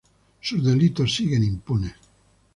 Sus delitos siguen impunes.